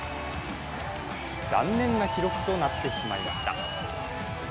残念な記録となってしまいました。